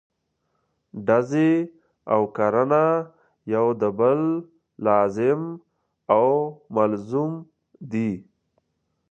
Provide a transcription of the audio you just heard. ډزې او کرنه یو د بل لازم او ملزوم دي.